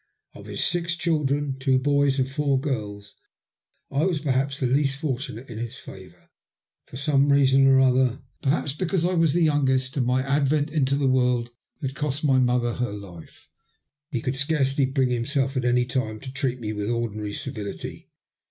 Of his six children — two boys and four girls — I was perhaps the least fortunate in bis favour. For some reason or another — ^perhaps MT CHANCE IN LIFE. 8 because I was the youngest, and my advent into the world had cost my mother her life — ^he could scarcely bring himself at any time to treat me with ordinary civiUty.